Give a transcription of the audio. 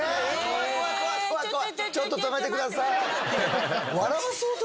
ちょっと止めてください。